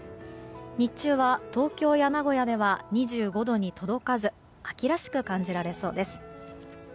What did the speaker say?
日中は東京や名古屋では２５度に届かず秋らしく感じられそうです。